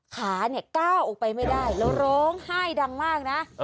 ขาเนี่ยก้าวออกไปไม่ได้แล้วร้องไห้ดังมากนะ